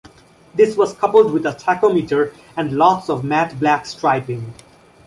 This was coupled with a tachometer and lots of matte black striping.